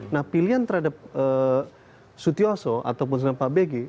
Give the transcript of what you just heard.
nah pilihan terhadap sutyoso ataupun senapa bg